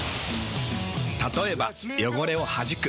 たとえば汚れをはじく。